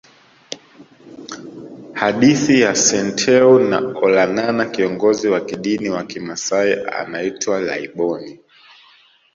Hadithi ya Senteu na Olanana Kiongozi wa kidini wa kimasai anaitwa Laiboni